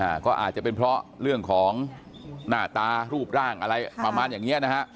อาจจะเป็นเพราะเรื่องของหน้าตารูปร่างอะไรประมาณอย่างเนี้ยนะฮะ